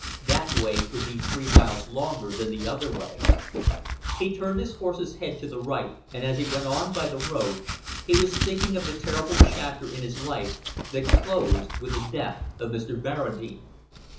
That way would be three miles longer than the other way. He turned his horse's head to the right; and as he went on by the road, he was thinking of the terrible chapter in his life that closed with the death of Mr. Barradine.